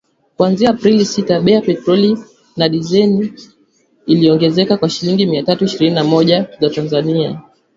kuanzia Aprili sita bei ya petroli na dizeli iliongezeka kwa shilingi mia tatu ishirini na moja za Tanzania